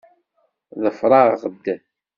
Ḍfeṛ-aɣ-d!